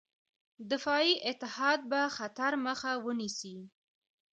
دفاعي اتحاد به خطر مخه ونیسي.